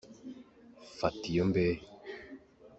Fata iyo mbehe.